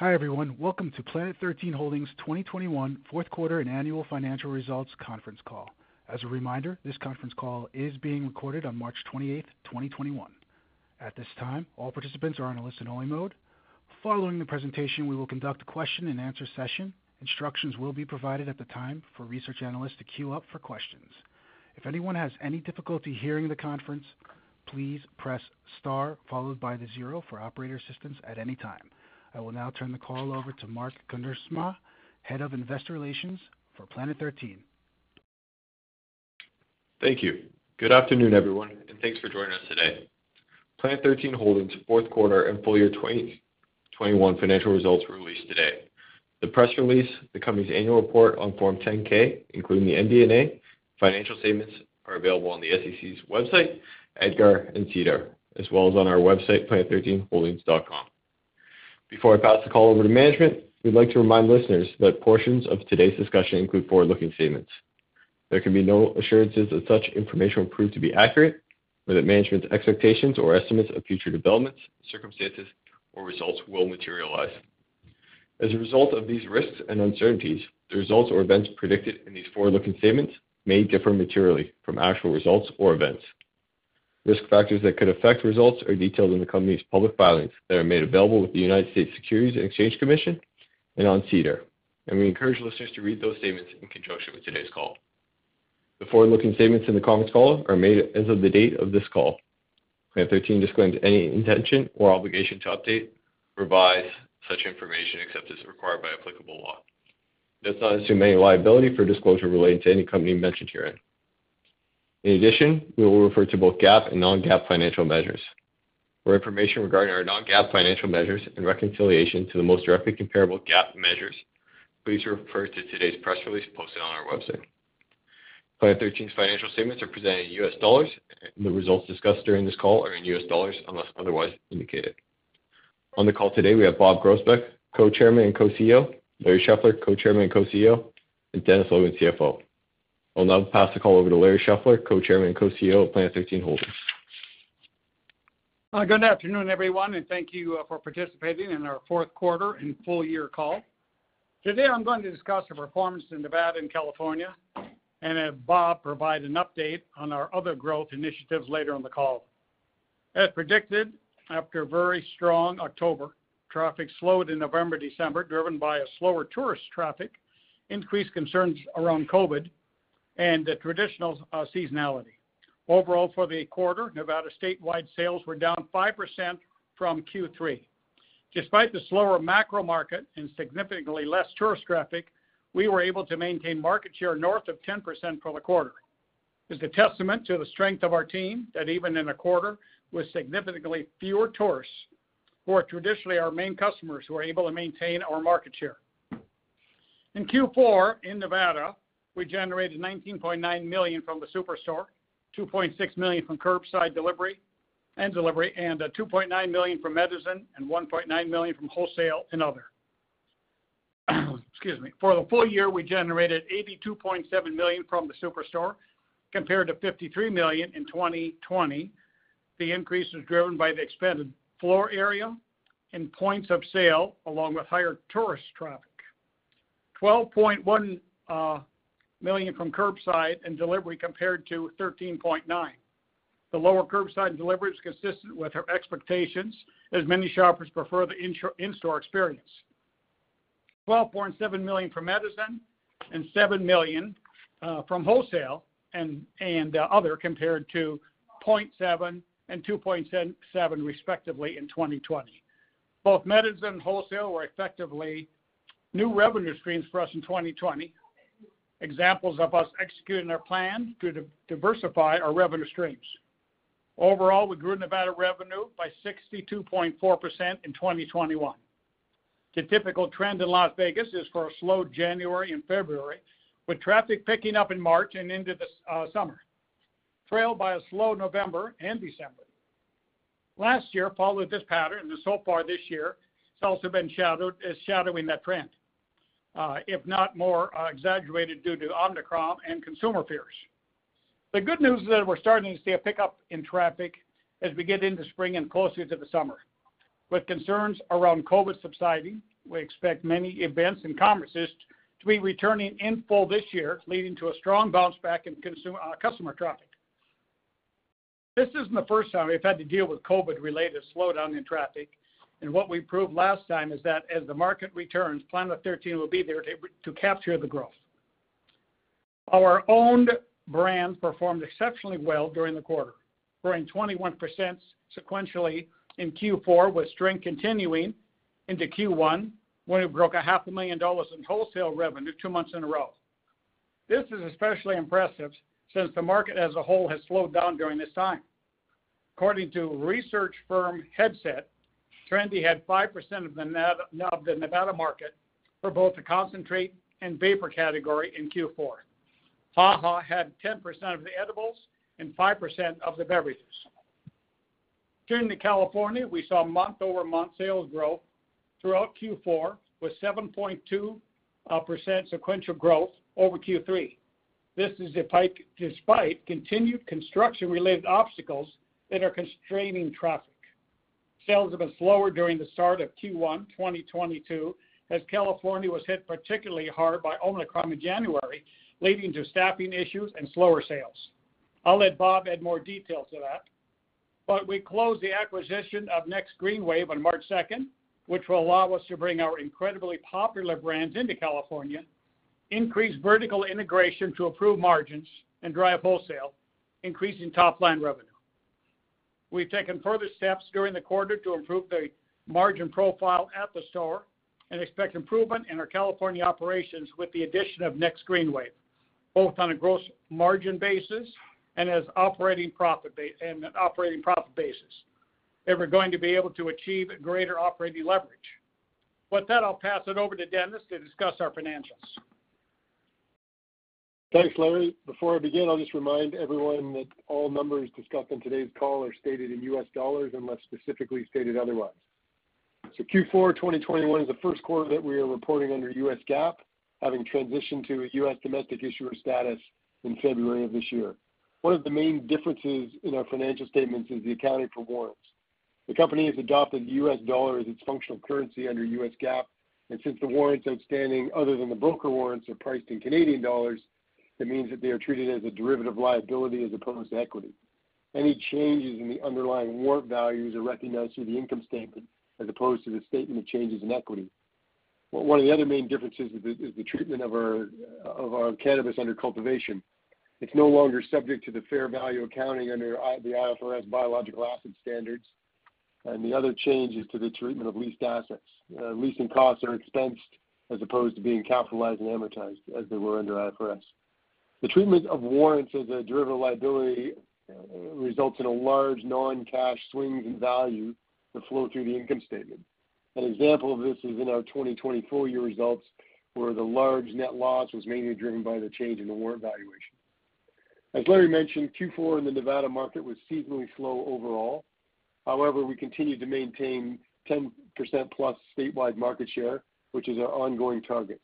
Hi, everyone. Welcome to Planet 13 Holdings 2021 fourth quarter and annual financial results conference call. As a reminder, this conference call is being recorded on March 28, 2021. At this time, all participants are on a listen-only mode. Following the presentation, we will conduct a question and answer session. Instructions will be provided at the time for research analysts to queue up for questions. If anyone has any difficulty hearing the conference, please press star followed by the zero for operator assistance at any time. I will now turn the call over to Mark Kuindersma, Head of Investor Relations for Planet 13 Holdings. Thank you. Good afternoon, everyone, and thanks for joining us today. Planet 13 Holdings fourth quarter and full year 2021 financial results were released today. The press release, the company's annual report on Form 10-K, including the MD&A financial statements, are available on the SEC's website, EDGAR and SEDAR, as well as on our website, planet13holdings.com. Before I pass the call over to management, we'd like to remind listeners that portions of today's discussion include forward-looking statements. There can be no assurances that such information will prove to be accurate, or that management's expectations or estimates of future developments, circumstances, or results will materialize. As a result of these risks and uncertainties, the results or events predicted in these forward-looking statements may differ materially from actual results or events. Risk factors that could affect results are detailed in the company's public filings that are made available with the United States Securities and Exchange Commission and on SEDAR, and we encourage listeners to read those statements in conjunction with today's call. The forward-looking statements in the conference call are made as of the date of this call. Planet 13 disclaims any intention or obligation to update, revise such information except as required by applicable law. Let's not assume any liability for disclosure relating to any company mentioned herein. In addition, we will refer to both GAAP and non-GAAP financial measures. For information regarding our non-GAAP financial measures and reconciliation to the most directly comparable GAAP measures, please refer to today's press release posted on our website. Planet 13's financial statements are presented in U.S. dollars. The results discussed during this call are in U.S. dollars unless otherwise indicated. On the call today we have Bob Groesbeck, Co-Chairman and Co-CEO, Larry Scheffler, Co-Chairman and Co-CEO, and Dennis Logan, CFO. I'll now pass the call over to Larry Scheffler, Co-Chairman and Co-CEO of Planet 13 Holdings. Good afternoon, everyone, and thank you for participating in our fourth quarter and full year call. Today I'm going to discuss the performance in Nevada and California, and have Bob provide an update on our other growth initiatives later on the call. As predicted, after a very strong October, traffic slowed in November, December, driven by a slower tourist traffic, increased concerns around COVID and the traditional seasonality. Overall, for the quarter, Nevada statewide sales were down 5% from Q3. Despite the slower macro market and significantly less tourist traffic, we were able to maintain market share north of 10% for the quarter. It's a testament to the strength of our team that even in a quarter with significantly fewer tourists, who are traditionally our main customers, we're able to maintain our market share. In Q4 in Nevada, we generated $19.9 million from the SuperStore, $2.6 million from curbside delivery and delivery, and $2.9 million from Medizin, and $1.9 million from wholesale and other. Excuse me. For the full year, we generated $82.7 million from the SuperStore compared to $53 million in 2020. The increase was driven by the expanded floor area and points of sale along with higher tourist traffic. $12.1 million from curbside and delivery compared to $13.9 million. The lower curbside and delivery is consistent with our expectations, as many shoppers prefer the in-store experience. $12.7 million from Medizin and $7 million from wholesale and other compared to $0.7 million and $2.7 million respectively in 2020. Both Medizin and wholesale were effectively new revenue streams for us in 2020. Examples of us executing our plan to diversify our revenue streams. Overall, we grew Nevada revenue by 62.4% in 2021. The typical trend in Las Vegas is for a slow January and February, with traffic picking up in March and into the summer, trailed by a slow November and December. Last year followed this pattern, and so far this year has also been shadowing that trend, if not more exaggerated due to Omicron and consumer fears. The good news is that we're starting to see a pickup in traffic as we get into spring and closer to the summer. With concerns around COVID subsiding, we expect many events and conferences to be returning in full this year, leading to a strong bounce back in customer traffic. This isn't the first time we've had to deal with COVID-related slowdown in traffic, and what we proved last time is that as the market returns, Planet 13 will be there to capture the growth. Our owned brands performed exceptionally well during the quarter, growing 21% sequentially in Q4, with strength continuing into Q1, when we broke half a million dollars in wholesale revenue two months in a row. This is especially impressive since the market as a whole has slowed down during this time. According to research firm Headset, Trendi had 5% of the Nevada market for both the concentrate and vapor category in Q4. HaHa had 10% of the edibles and 5% of the beverages. Turning to California, we saw month-over-month sales growth throughout Q4, with 7.2% sequential growth over Q3. This is despite continued construction-related obstacles that are constraining traffic. Sales have been slower during the start of Q1 2022, as California was hit particularly hard by Omicron in January, leading to staffing issues and slower sales. I'll let Bob add more detail to that. We closed the acquisition of Next Green Wave on March 2nd, which will allow us to bring our incredibly popular brands into California, increase vertical integration to improve margins and drive wholesale, increasing top-line revenue. We've taken further steps during the quarter to improve the margin profile at the store and expect improvement in our California operations with the addition of Next Green Wave, both on a gross margin basis and an operating profit basis, and we're going to be able to achieve greater operating leverage. With that, I'll pass it over to Dennis to discuss our financials. Thanks, Larry. Before I begin, I'll just remind everyone that all numbers discussed in today's call are stated in U.S. dollars unless specifically stated otherwise. Q4 2021 is the first quarter that we are reporting under U.S. GAAP, having transitioned to a U.S. domestic issuer status in February of this year. One of the main differences in our financial statements is the accounting for warrants. The company has adopted the U.S. dollar as its functional currency under U.S. GAAP, and since the warrants outstanding, other than the broker warrants, are priced in Canadian dollars, it means that they are treated as a derivative liability as opposed to equity. Any changes in the underlying warrant values are recognized through the income statement as opposed to the statement of changes in equity. One of the other main differences is the treatment of our cannabis under cultivation. It's no longer subject to the fair value accounting under the IFRS biological asset standards, and the other change is to the treatment of leased assets. Leasing costs are expensed as opposed to being capitalized and amortized as they were under IFRS. The treatment of warrants as a derivative liability results in a large non-cash swing in value that flow through the income statement. An example of this is in our 2024 year results, where the large net loss was mainly driven by the change in the warrant valuation. As Larry mentioned, Q4 in the Nevada market was seasonally slow overall. However, we continued to maintain 10%+ statewide market share, which is our ongoing target.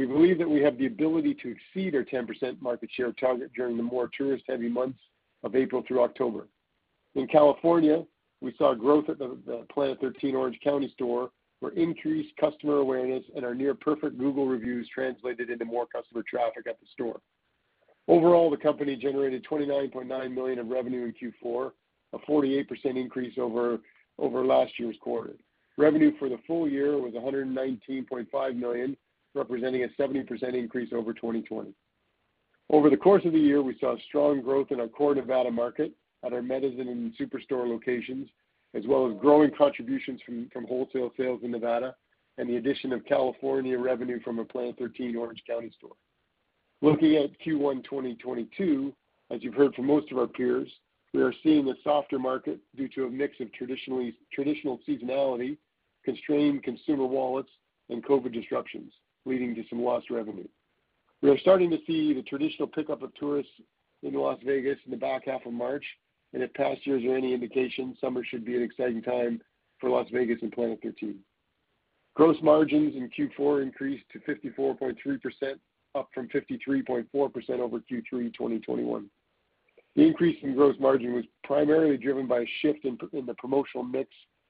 We believe that we have the ability to exceed our 10% market share target during the more tourist-heavy months of April through October. In California, we saw growth at the Planet 13 Orange County store, where increased customer awareness and our near-perfect Google reviews translated into more customer traffic at the store. Overall, the company generated $29.9 million of revenue in Q4, a 48% increase over last year's quarter. Revenue for the full year was $119.5 million, representing a 70% increase over 2020. Over the course of the year, we saw strong growth in our core Nevada market at our Medizin and SuperStore locations, as well as growing contributions from wholesale sales in Nevada and the addition of California revenue from a Planet 13 Orange County store. Looking at Q1 2022, as you've heard from most of our peers, we are seeing a softer market due to a mix of traditional seasonality, constrained consumer wallets, and COVID disruptions, leading to some lost revenue. We are starting to see the traditional pickup of tourists into Las Vegas in the back half of March, and if past years are any indication, summer should be an exciting time for Las Vegas and Planet 13. Gross margins in Q4 increased to 54.3%, up from 53.4% over Q3 2021. The increase in gross margin was primarily driven by a shift in the promotional mix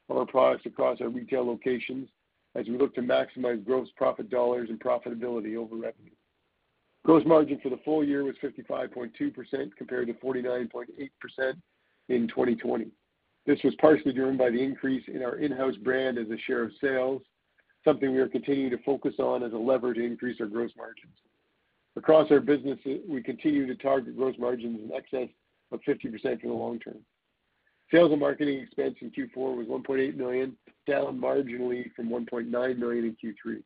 of our products across our retail locations as we look to maximize gross profit dollars and profitability over revenue. Gross margin for the full year was 55.2% compared to 49.8% in 2020. This was partially driven by the increase in our in-house brand as a share of sales, something we are continuing to focus on as a lever to increase our gross margins. Across our businesses, we continue to target gross margins in excess of 50% in the long term. Sales and marketing expense in Q4 was $1.8 million, down marginally from $1.9 million in Q3.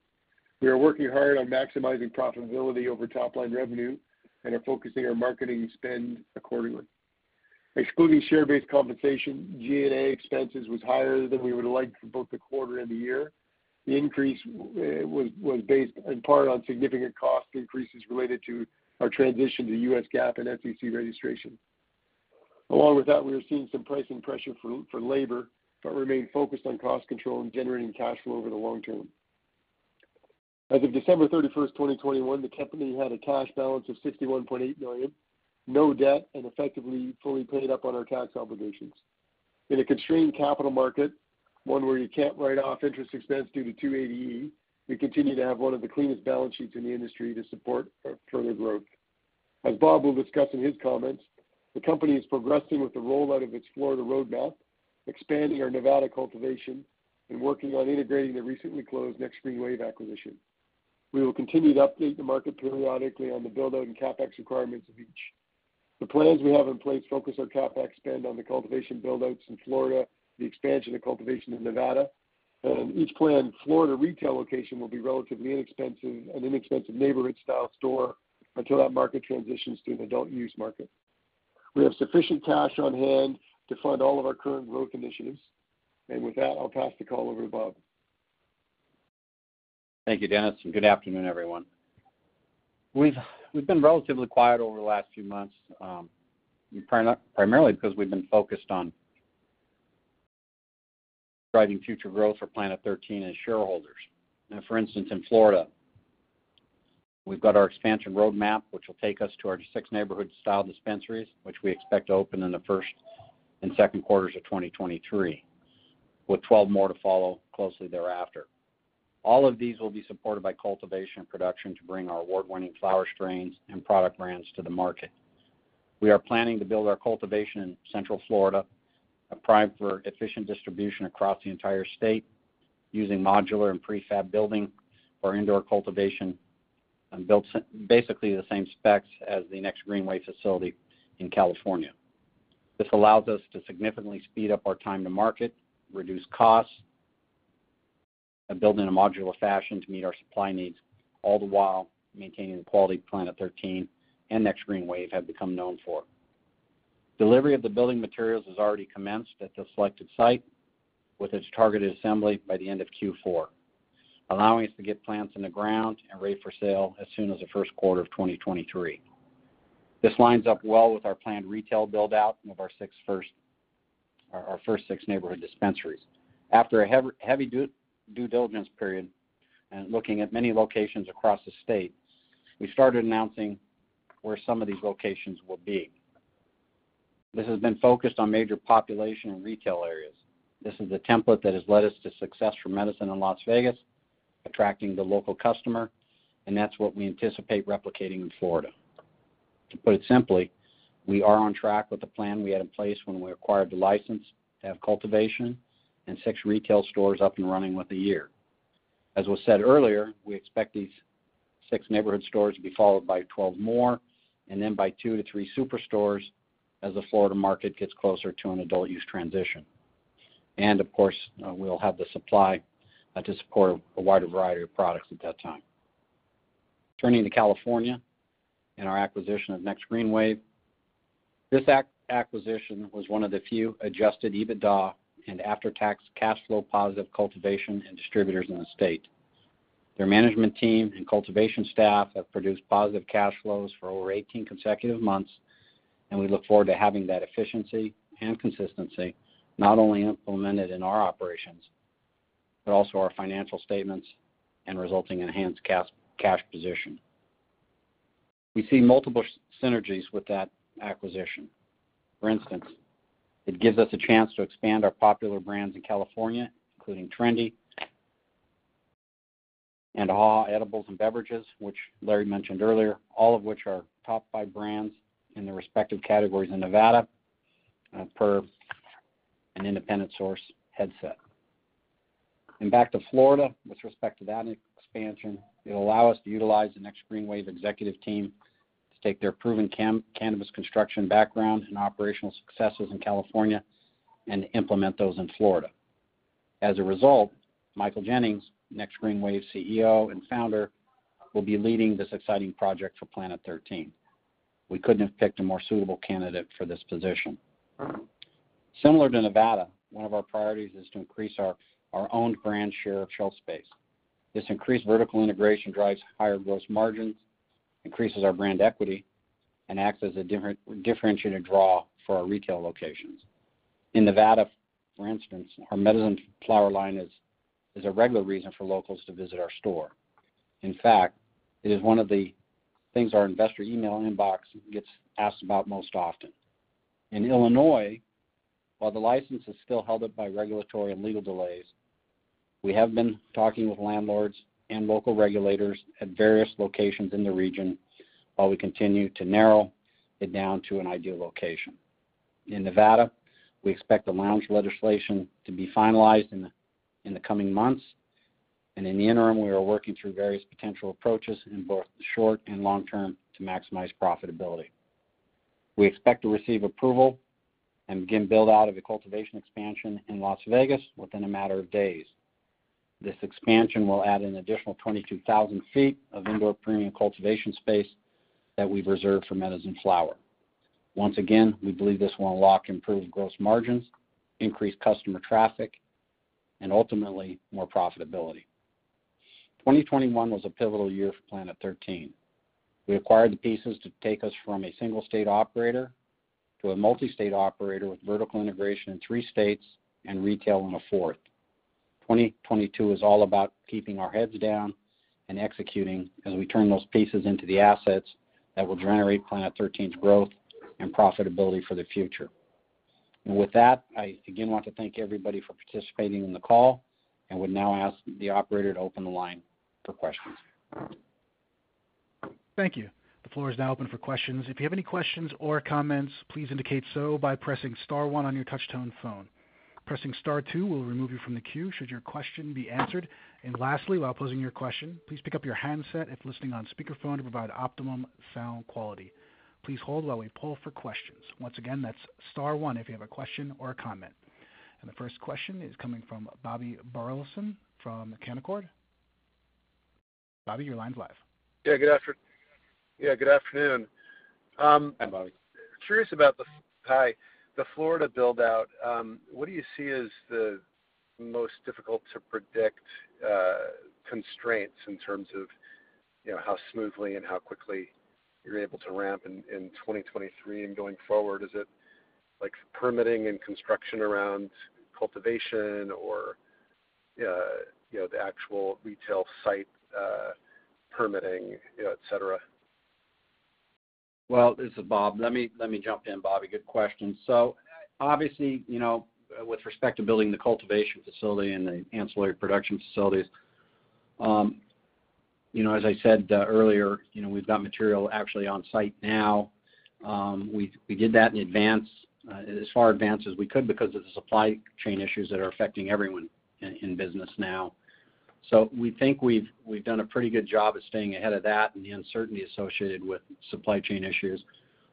We are working hard on maximizing profitability over top-line revenue and are focusing our marketing spend accordingly. Excluding share-based compensation, G&A expenses was higher than we would've liked for both the quarter and the year. The increase was based in part on significant cost increases related to our transition to U.S. GAAP and SEC registration. Along with that, we are seeing some pricing pressure for labor, but remain focused on cost control and generating cash flow over the long term. As of December 31, 2021, the company had a cash balance of $61.8 million, no debt, and effectively fully paid up on our tax obligations. In a constrained capital market, one where you can't write off interest expense due to 280E, we continue to have one of the cleanest balance sheets in the industry to support our further growth. As Bob will discuss in his comments, the company is progressing with the rollout of its Florida roadmap, expanding our Nevada cultivation, and working on integrating the recently closed Next Green Wave acquisition. We will continue to update the market periodically on the build-out and CapEx requirements of each. The plans we have in place focus our CapEx spend on the cultivation build-outs in Florida, the expansion of cultivation in Nevada, and each planned Florida retail location will be relatively inexpensive, an inexpensive neighborhood-style store until that market transitions to an adult use market. We have sufficient cash on hand to fund all of our current growth initiatives. With that, I'll pass the call over to Bob. Thank you, Dennis, and good afternoon, everyone. We've been relatively quiet over the last few months, primarily because we've been focused on driving future growth for Planet 13 and shareholders. Now, for instance, in Florida, we've got our expansion roadmap, which will take us to our six neighborhood-style dispensaries, which we expect to open in the first and second quarters of 2023, with 12 more to follow closely thereafter. All of these will be supported by cultivation production to bring our award-winning flower strains and product brands to the market. We are planning to build our cultivation in Central Florida, a prime for efficient distribution across the entire state using modular and prefab building for indoor cultivation and basically the same specs as the Next Green Wave facility in California. This allows us to significantly speed up our time to market, reduce costs, and build in a modular fashion to meet our supply needs, all the while maintaining the quality Planet 13 and Next Green Wave have become known for. Delivery of the building materials has already commenced at the selected site, with its targeted assembly by the end of Q4, allowing us to get plants in the ground and ready for sale as soon as the first quarter of 2023. This lines up well with our planned retail build-out of our first six neighborhood dispensaries. After a heavy due diligence period and looking at many locations across the state, we started announcing where some of these locations will be. This has been focused on major population and retail areas. This is a template that has led us to success for Medizin in Las Vegas, attracting the local customer, and that's what we anticipate replicating in Florida. To put it simply, we are on track with the plan we had in place when we acquired the license to have cultivation and six retail stores up and running within a year. As was said earlier, we expect these six neighborhood stores to be followed by 12 more and then by two to three superstores as the Florida market gets closer to an adult use transition. Of course, we'll have the supply to support a wider variety of products at that time. Turning to California and our acquisition of Next Green Wave, this acquisition was one of the few adjusted EBITDA and after-tax cash flow positive cultivation and distributors in the state. Their management team and cultivation staff have produced positive cash flows for over 18 consecutive months, and we look forward to having that efficiency and consistency not only implemented in our operations, but also our financial statements and resulting in enhanced cash position. We see multiple synergies with that acquisition. For instance, it gives us a chance to expand our popular brands in California, including Trendi and HaHa edibles and beverages, which Larry mentioned earlier, all of which are top five brands in their respective categories in Nevada, per an independent source Headset. Back to Florida with respect to that expansion, it'll allow us to utilize the Next Green Wave executive team to take their proven cannabis construction background and operational successes in California and implement those in Florida. As a result, Michael Jennings, Next Green Wave CEO and founder, will be leading this exciting project for Planet 13. We couldn't have picked a more suitable candidate for this position. Similar to Nevada, one of our priorities is to increase our own brand share of shelf space. This increased vertical integration drives higher gross margins, increases our brand equity, and acts as a differentiated draw for our retail locations. In Nevada, for instance, our Medizin flower line is a regular reason for locals to visit our store. In fact, it is one of the things our investor email inbox gets asked about most often. In Illinois, while the license is still held up by regulatory and legal delays, we have been talking with landlords and local regulators at various locations in the region while we continue to narrow it down to an ideal location. In Nevada, we expect the lounge legislation to be finalized in the coming months. In the interim, we are working through various potential approaches in both the short and long term to maximize profitability. We expect to receive approval and begin build-out of the cultivation expansion in Las Vegas within a matter of days. This expansion will add an additional 22,000 ft of indoor premium cultivation space that we've reserved for Medizin flower. Once again, we believe this will unlock improved gross margins, increase customer traffic, and ultimately more profitability. 2021 was a pivotal year for Planet 13. We acquired the pieces to take us from a single-state operator to a multi-state operator with vertical integration in three states and retail in a fourth. 2022 is all about keeping our heads down and executing as we turn those pieces into the assets that will generate Planet 13's growth and profitability for the future. With that, I again want to thank everybody for participating on the call and would now ask the operator to open the line for questions. Thank you. The floor is now open for questions. If you have any questions or comments, please indicate so by pressing star one on your touchtone phone. Pressing star two will remove you from the queue should your question be answered. Lastly, while posing your question, please pick up your handset if listening on speakerphone to provide optimum sound quality. Please hold while we poll for questions. Once again, that's star one if you have a question or a comment. The first question is coming from Bobby Burleson from Canaccord. Bobby, your line's live. Good afternoon. Hi. The Florida build-out, what do you see as the most difficult to predict? Constraints in terms of, you know, how smoothly and how quickly you're able to ramp in 2023 and going forward. Is it like permitting and construction around cultivation or, you know, the actual retail site, permitting, you know, et cetera? Well, this is Bob. Let me jump in, Bobby. Good question. Obviously, you know, with respect to building the cultivation facility and the ancillary production facilities, you know, as I said earlier, you know, we've got material actually on site now. We did that in advance, as far in advance as we could because of the supply chain issues that are affecting everyone in business now. We think we've done a pretty good job of staying ahead of that and the uncertainty associated with supply chain issues.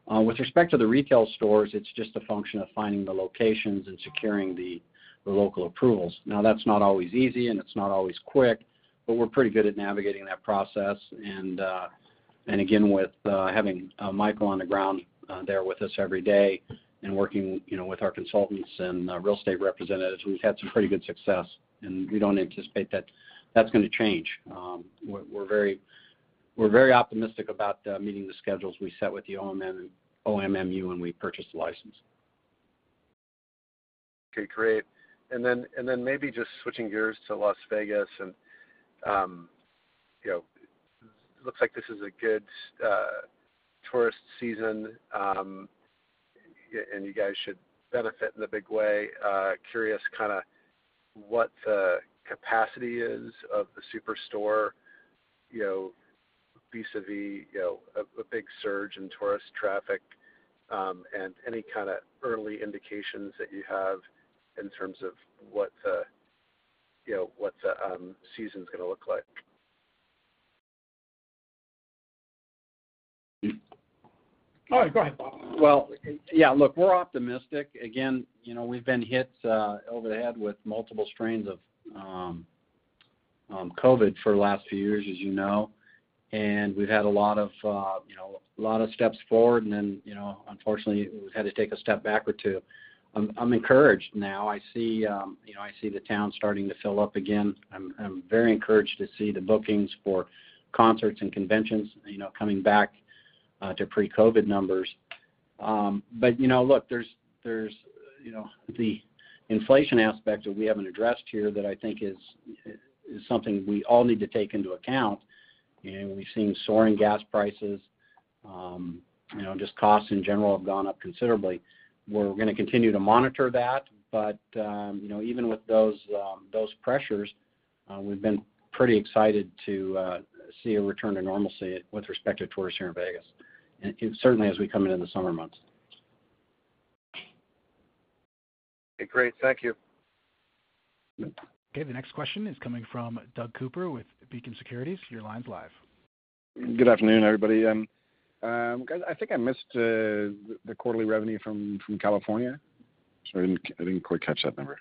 With respect to the retail stores, it's just a function of finding the locations and securing the local approvals. Now, that's not always easy, and it's not always quick, but we're pretty good at navigating that process. Again, with having Michael on the ground there with us every day and working, you know, with our consultants and real estate representatives, we've had some pretty good success, and we don't anticipate that that's gonna change. We're very optimistic about meeting the schedules we set with the OMMU when we purchased the license. Okay, great. Maybe just switching gears to Las Vegas and, you know, looks like this is a good tourist season, and you guys should benefit in a big way. Curious kind of what the capacity is of the SuperStore, you know, vis-a-vis, you know, a big surge in tourist traffic, and any kind of early indications that you have in terms of what the, you know, season's gonna look like. Oh, go ahead, Bob. Well, yeah, look, we're optimistic. Again, you know, we've been hit over the head with multiple strains of COVID for the last few years, as you know, and we've had a lot of, you know, a lot of steps forward and then, you know, unfortunately we've had to take a step back or two. I'm encouraged now. I see, you know, I see the town starting to fill up again. I'm very encouraged to see the bookings for concerts and conventions, you know, coming back to pre-COVID numbers. You know, look, there's you know, the inflation aspect that we haven't addressed here that I think is something we all need to take into account. You know, we've seen soaring gas prices. You know, just costs in general have gone up considerably. We're gonna continue to monitor that, but you know, even with those pressures, we've been pretty excited to see a return to normalcy with respect to tourists here in Vegas, and certainly as we come into the summer months. Okay, great. Thank you. Okay. The next question is coming from Doug Cooper with Beacon Securities. Your line's live. Good afternoon, everybody. Guys, I think I missed the quarterly revenue from California. Sorry, I didn't quite catch that number.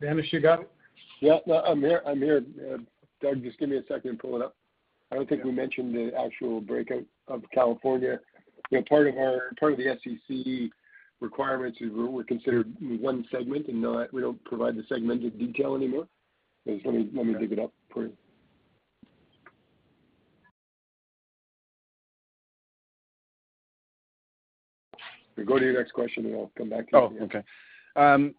Dennis, you got it? Yeah. No, I'm here. Doug, just give me a second to pull it up. I don't think we mentioned the actual breakdown of California. You know, part of the SEC requirements, we're considered one segment, we don't provide the segmented detail anymore. Just let me dig it up for you. Go to your next question, and I'll come back to you. Oh, okay.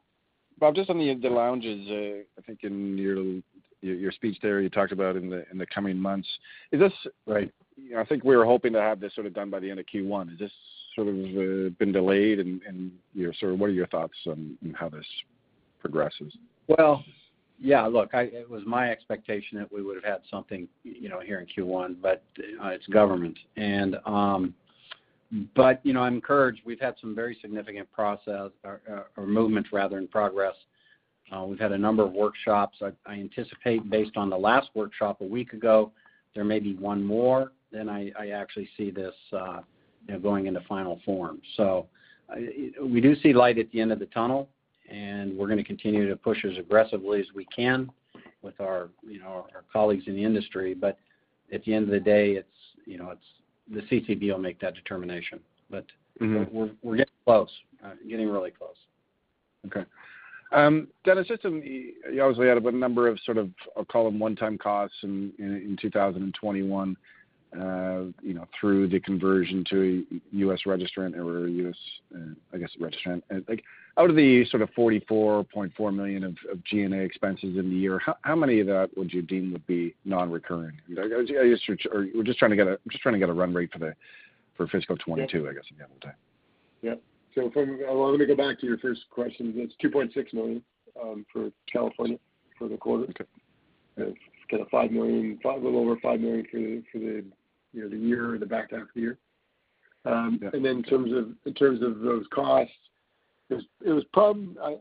Bob, just on the lounges, I think in your speech there, you talked about in the coming months. Is this? You know, I think we were hoping to have this sort of done by the end of Q1. Has this sort of been delayed, and you know, sort of what are your thoughts on how this progresses? Well, yeah, look, it was my expectation that we would've had something, you know, here in Q1, but it's government. You know, I'm encouraged. We've had some very significant progress or movement rather in progress. We've had a number of workshops. I anticipate based on the last workshop a week ago, there may be one more, then I actually see this, you know, going into final form. We do see light at the end of the tunnel, and we're gonna continue to push as aggressively as we can with our, you know, our colleagues in the industry. At the end of the day, you know, it's the CCB will make that determination. We're getting close, getting really close. Okay. Dennis, just to. You obviously had a number of, sort of, I'll call them one-time costs in 2021, you know, through the conversion to U.S. registrant or U.S., I guess, registrant. Like, out of the sort of $44.4 million of G&A expenses in the year, how many of that would you deem to be non-recurring? I guess, or we're just trying to get a run rate for fiscal 2022, I guess, again. Well, let me go back to your first question. It's $2.6 million for California for the quarter. Kind of $5 million, a little over $5 million for the, you know, the year, the back half of the year. In terms of those costs, it was.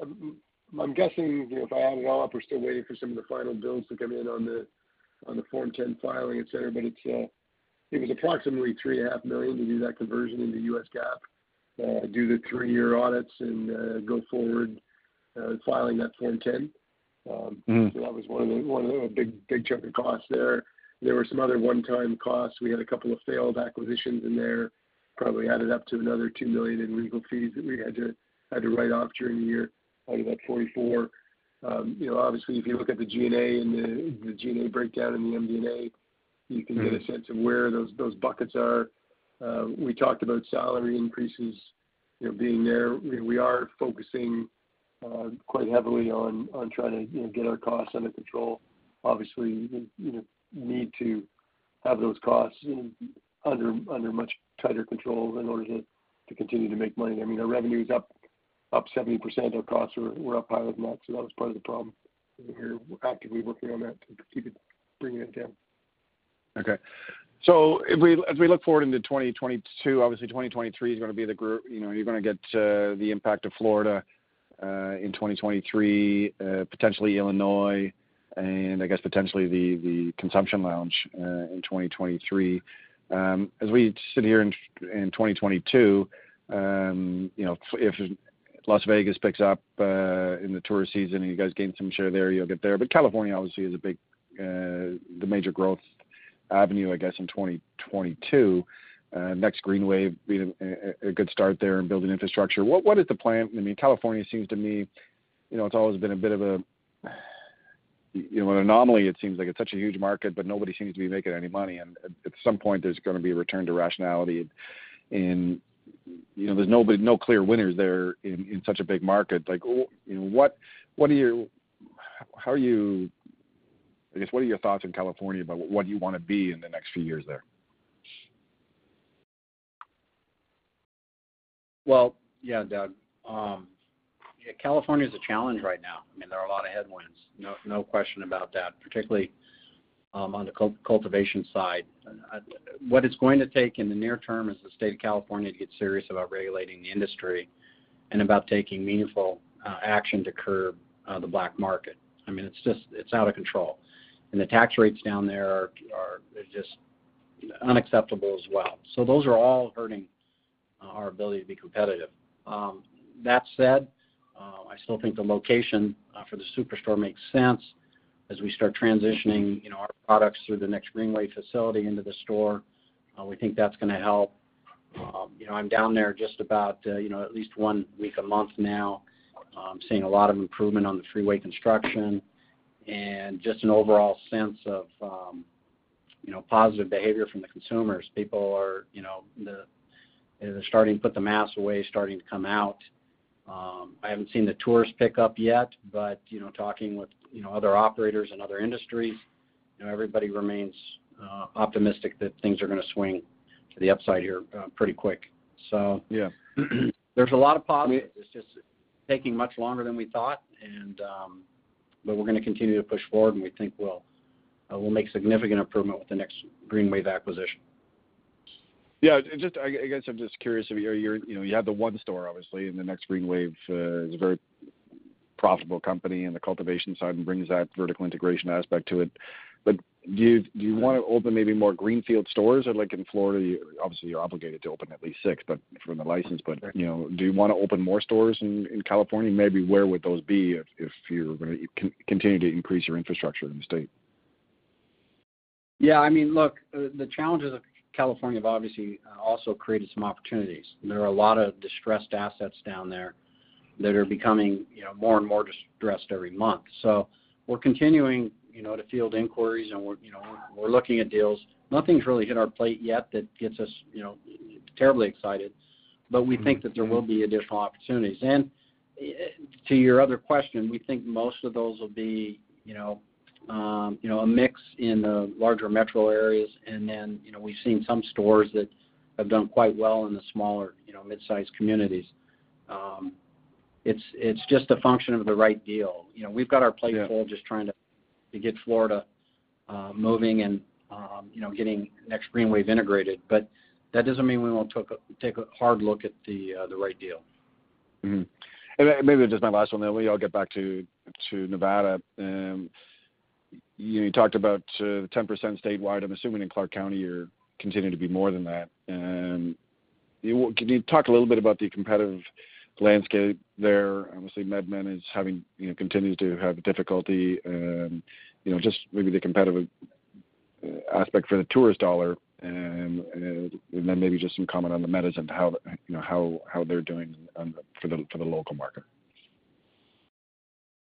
I'm guessing, you know, still waiting for some of the final bills to come in on the Form 10 filing, et cetera. It's approximately $3.5 million to do that conversion into U.S. GAAP, do the three-year audits and go forward filing that Form 10. That was one of the big chunk of costs there. There were some other one-time costs. We had a couple of failed acquisitions in there, probably added up to another $2 million in legal fees that we had to write off during the year, out of that $44 million. You know, obviously, if you look at the G&A and the G&A breakdown in the MD&A, you can Get a sense of where those buckets are. We talked about salary increases, you know, being there. We are focusing quite heavily on trying to, you know, get our costs under control. Obviously, you know, need to have those costs under much tighter control in order to continue to make money. I mean, our revenue's up 70%. Our costs were up higher than that, so that was part of the problem. We're actively working on that, bringing it down. Okay. If we look forward into 2022, obviously 2023 is gonna be the year. You know, you're gonna get the impact of Florida in 2023, potentially Illinois, and I guess potentially the consumption lounge in 2023. As we sit here in 2022, you know, if Las Vegas picks up in the tourist season and you guys gain some share there, you'll get there. California obviously is the major growth avenue, I guess, in 2022. Next Green Wave being a good start there in building infrastructure. What is the plan? I mean, California seems to me, you know, it's always been a bit of a, you know, an anomaly. It seems like it's such a huge market, but nobody seems to be making any money, and at some point, there's gonna be a return to rationality. You know, there's no clear winners there in such a big market. I guess, what are your thoughts in California about what you wanna be in the next few years there? Well, yeah, Doug, California is a challenge right now. I mean, there are a lot of headwinds, no question about that, particularly on the cultivation side. What it's going to take in the near term is the state of California to get serious about regulating the industry and about taking meaningful action to curb the black market. I mean, it's just out of control. The tax rates down there are just unacceptable as well. Those are all hurting our ability to be competitive. That said, I still think the location for the SuperStore makes sense as we start transitioning, you know, our products through the Next Green Wave facility into the store. We think that's gonna help. You know, I'm down there just about at least one week a month now. Seeing a lot of improvement on the freeway construction and just an overall sense of, you know, positive behavior from the consumers. People are, you know, they're starting to put the masks away, starting to come out. I haven't seen the tourists pick up yet, but, you know, talking with, you know, other operators in other industries, you know, everybody remains optimistic that things are gonna swing to the upside here, pretty quick. So there's a lot of positive. It's just taking much longer than we thought and we're gonna continue to push forward, and we think we'll make significant improvement with the Next Green Wave acquisition. Yeah. Just, I guess, I'm just curious. You know, you have the one store, obviously, and the Next Green Wave is a very profitable company in the cultivation side and brings that vertical integration aspect to it. But do you wanna open maybe more greenfield stores? Like in Florida, obviously, you're obligated to open at least six, but from the license. But, you know, do you wanna open more stores in California? Maybe where would those be if you're gonna continue to increase your infrastructure in the state? Yeah, I mean, look, the challenges of California have obviously also created some opportunities. There are a lot of distressed assets down there that are becoming, you know, more and more distressed every month. So we're continuing, you know, to field inquiries, and we're, you know, looking at deals. Nothing's really hit our plate yet that gets us, you know, terribly excited, but we think that there will be additional opportunities. To your other question, we think most of those will be, you know, you know, a mix in the larger metro areas. You know, we've seen some stores that have done quite well in the smaller, you know, midsize communities. It's just a function of the right deal. You know, we've got our plate full just trying to get Florida moving and, you know, getting Next Green Wave integrated. That doesn't mean we won't take a hard look at the right deal. Maybe just my last one, then we all get back to Nevada. You know, you talked about 10% statewide. I'm assuming in Clark County, you're continuing to be more than that. Can you talk a little bit about the competitive landscape there? Obviously, MedMen is having, you know, continues to have difficulty, just maybe the competitive aspect for the tourist dollar and then maybe just some comment on the Medizin and how they're doing for the local market.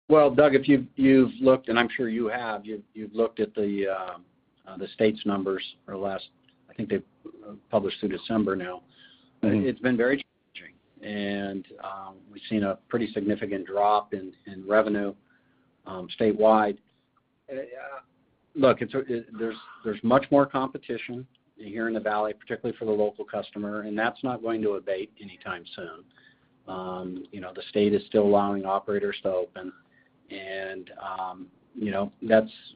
Well, Doug, if you've looked, and I'm sure you have, you've looked at the state's numbers for the last. I think they've published through December now. It's been very challenging, and we've seen a pretty significant drop in revenue, statewide. Look, there's much more competition here in the Valley, particularly for the local customer, and that's not going to abate anytime soon. You know, the state is still allowing operators to open and, you know,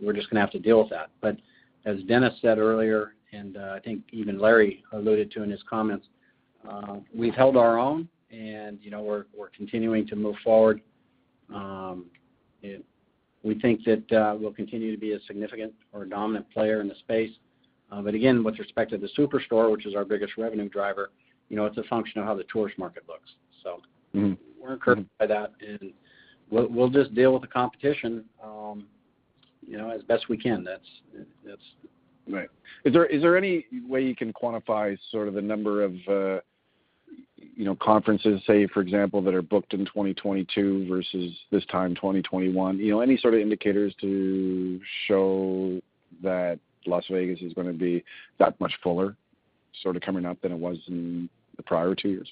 we're just gonna have to deal with that. As Dennis said earlier, and I think even Larry alluded to in his comments, we've held our own and, you know, we're continuing to move forward. We think that we'll continue to be a significant or dominant player in the space. Again, with respect to the SuperStore, which is our biggest revenue driver, you know, it's a function of how the tourist market looks. We're encouraged by that, and we'll just deal with the competition, you know, as best we can. Right. Is there any way you can quantify sort of the number of, you know, conferences, say, for example, that are booked in 2022 versus this time 2021? You know, any sort of indicators to show that Las Vegas is gonna be that much fuller sorta coming up than it was in the prior two years?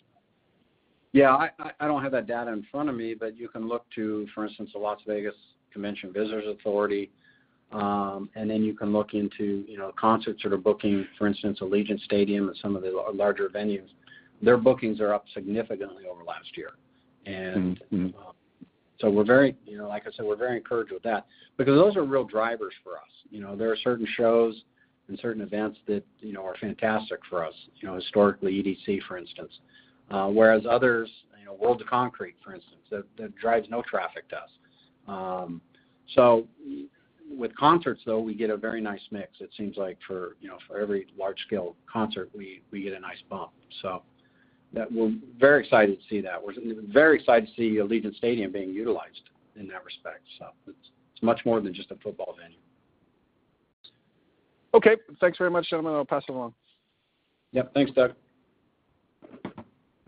Yeah. I don't have that data in front of me, but you can look to, for instance, the Las Vegas Convention and Visitors Authority. Then you can look into, you know, concert sort of booking, for instance, Allegiant Stadium and some of the larger venues. Their bookings are up significantly over last year. We're very, you know, like I said, we're very encouraged with that because those are real drivers for us. You know, there are certain shows and certain events that, you know, are fantastic for us, you know, historically EDC, for instance. Whereas others, you know, World of Concrete, for instance, that drives no traffic to us. With concerts, though, we get a very nice mix. It seems like for, you know, for every large scale concert, we get a nice bump. We're very excited to see that. We're very excited to see Allegiant Stadium being utilized in that respect. It's much more than just a football venue. Okay. Thanks very much, gentlemen. I'll pass it along. Yep. Thanks, Doug.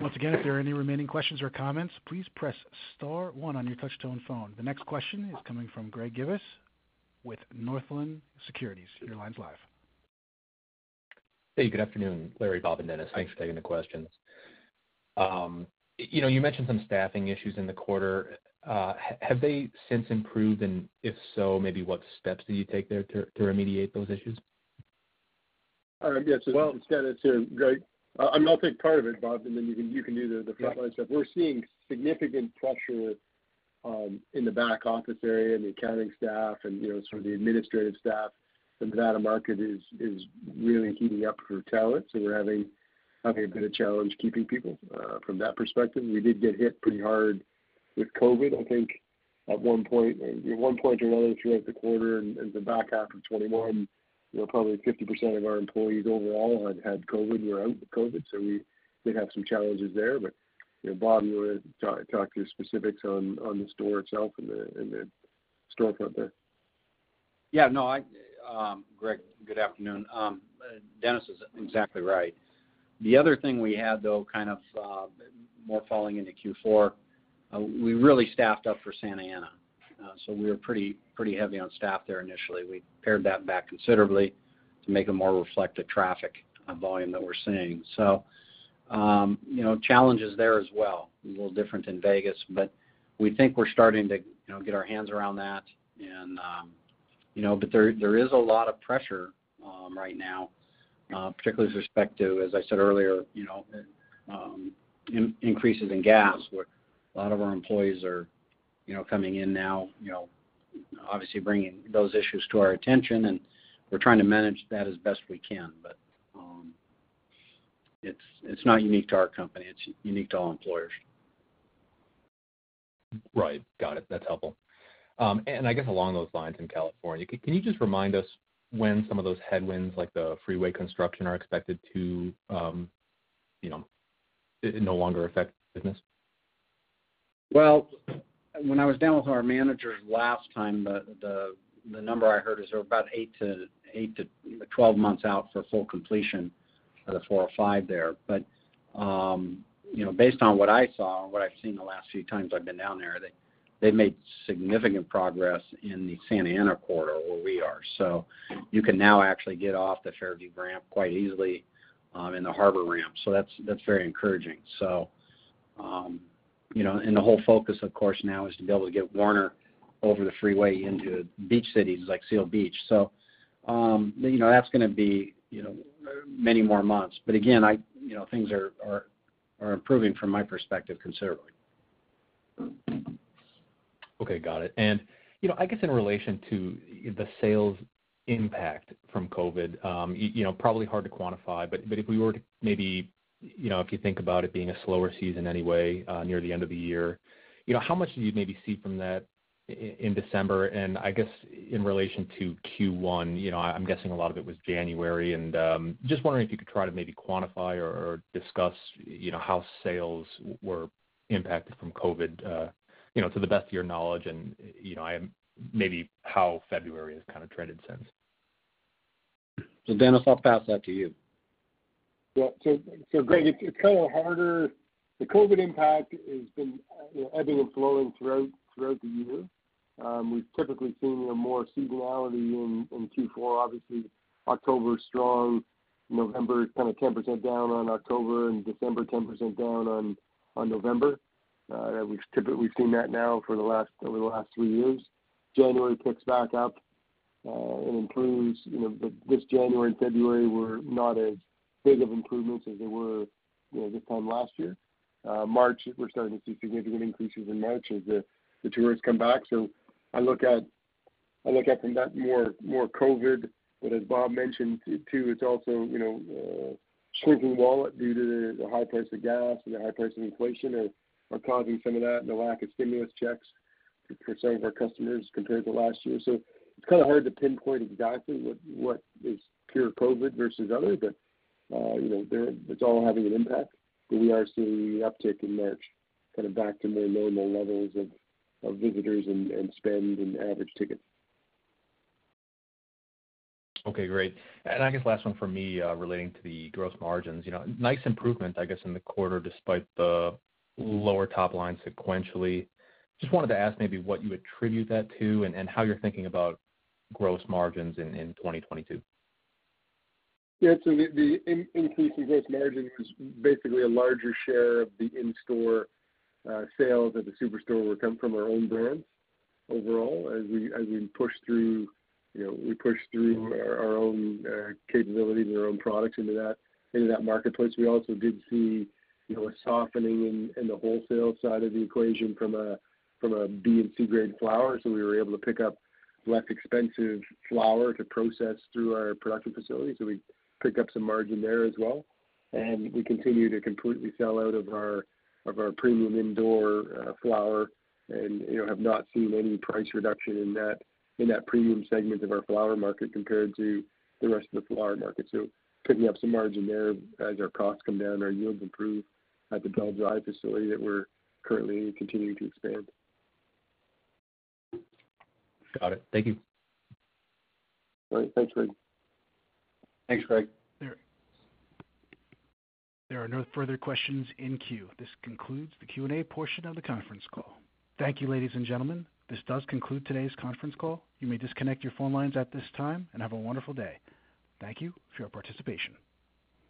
Once again, if there are any remaining questions or comments, please press star one on your touch tone phone. The next question is coming from Greg Gibas with Northland Securities. Your line's live. Hey, good afternoon, Larry, Bob, and Dennis. Thanks for taking the questions. You know, you mentioned some staffing issues in the quarter. Have they since improved? If so, maybe what steps did you take there to remediate those issues? All right. Yeah, It's Dennis here, Greg. I'll take part of it, Bob, and then you can do the flatline stuff. We're seeing significant pressure in the back office area, in the accounting staff and, you know, sort of the administrative staff. The Nevada market is really heating up for talent, so we're having a bit of challenge keeping people from that perspective. We did get hit pretty hard with COVID. I think at one point or another throughout the quarter in the back half of 2021, you know, probably 50% of our employees overall had COVID, were out with COVID. So we did have some challenges there. You know, Bob, you wanna talk through specifics on the store itself and the storefront there? Greg, good afternoon. Dennis is exactly right. The other thing we had, though, kind of more falling into Q4, we really staffed up for Santa Ana. So we were pretty heavy on staff there initially. We pared that back considerably to make it more reflect the traffic volume that we're seeing. You know, challenges there as well. A little different in Vegas, but we think we're starting to, you know, get our hands around that and, you know. There is a lot of pressure right now, particularly with respect to, as I said earlier, you know, increases in gas, where a lot of our employees are, you know, coming in now, you know, obviously bringing those issues to our attention, and we're trying to manage that as best we can. It's not unique to our company. It's unique to all employers. Right. Got it. That's helpful. I guess along those lines in California, can you just remind us when some of those headwinds, like the freeway construction, are expected to, you know, no longer affect business? Well, when I was down with our managers last time, the number I heard is they're about 8-12 months out for full completion of the four or five there. You know, based on what I saw and what I've seen the last few times I've been down there, they've made significant progress in the Santa Ana corridor where we are. You can now actually get off the Fairview ramp quite easily, and the Harbor ramp. That's very encouraging. You know, and the whole focus, of course, now is to be able to get Warner over the freeway into beach cities like Seal Beach. You know, that's gonna be many more months. Again, you know, things are improving from my perspective considerably. Okay. Got it. You know, I guess in relation to the sales impact from COVID, you know, probably hard to quantify, but if we were to maybe, you know, if you think about it being a slower season anyway, near the end of the year, you know, how much did you maybe see from that in December? I guess in relation to Q1, you know, I'm guessing a lot of it was January. Just wondering if you could try to maybe quantify or discuss, you know, how sales were impacted from COVID, you know, to the best of your knowledge and, you know, maybe how February has kind of trended since. Dennis, I'll pass that to you. Greg, it's kind of harder. The COVID impact has been, you know, ebbing and flowing throughout the year. We've typically seen, you know, more seasonality in Q4. Obviously, October is strong. November is kind of 10% down on October, and December 10% down on November. We've typically seen that over the last three years. January picks back up and improves. You know, this January and February were not as big of improvements as they were, you know, this time last year. March, we're starting to see significant increases in March as the tourists come back. I look at that more as more COVID, but as Bob mentioned too, it's also, you know, shrinking wallet due to the high price of gas and the high price of inflation are causing some of that, and the lack of stimulus checks for some of our customers compared to last year. It's kind of hard to pinpoint exactly what is pure COVID versus other. But, you know, it's all having an impact. But we are seeing the uptick in March, kind of back to more normal levels of visitors and spend and average ticket. Okay, great. I guess last one for me, relating to the gross margins. You know, nice improvement, I guess, in the quarter despite the lower top line sequentially. Just wanted to ask maybe what you attribute that to and how you're thinking about gross margins in 2022. Yeah. The increase in gross margin is basically a larger share of the in-store sales at the SuperStore would come from our own brands overall as we push through, you know, we push through our own capabilities and our own products into that marketplace. We also did see, you know, a softening in the wholesale side of the equation from a B and C grade flower, so we were able to pick up less expensive flower to process through our production facility. We picked up some margin there as well. We continue to completely sell out of our premium indoor flower and, you know, have not seen any price reduction in that premium segment of our flower market compared to the rest of the flower market. Picking up some margin there as our costs come down, our yields improve at the Bell Drive facility that we're currently continuing to expand. Got it. Thank you. All right. Thanks, Greg. Thanks, Greg. There are no further questions in queue. This concludes the Q&A portion of the conference call. Thank you, ladies and gentlemen. This does conclude today's conference call. You may disconnect your phone lines at this time, and have a wonderful day. Thank you for your participation.